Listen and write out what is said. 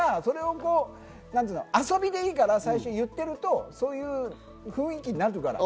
遊びでいいから最初言っていると、そういう雰囲気になるから。